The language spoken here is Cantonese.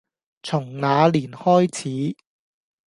從那年開始